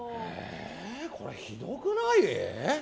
これ、ひどくない？